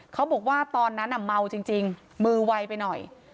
เขาบอกว่าตอนนั้นเมาจริงมือไวไปหน่อย